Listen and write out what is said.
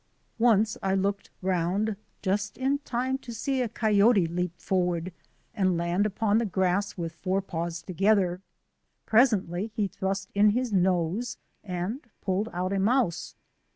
Once I looked round just in time to see a coyote leap forward and land upon the grass with fore paws together. Presently he thrust in his nose and pulled out a mouse.